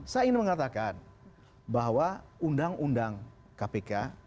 saya ingin mengatakan bahwa undang undang kpk